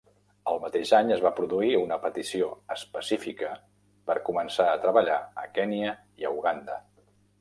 El mateix any es va produir una petició específica per començar a treballar a Kenya i a Uganda.